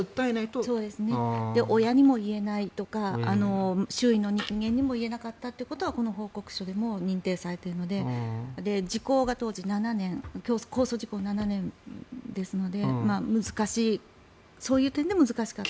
親にも言えないとか周囲の人間にも言えなかったということはこの報告書でも認定されているので時効が当時７年公訴時効が７年ですので難しいそういう点で難しかった。